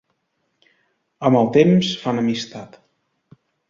Amb el temps, fan amistat.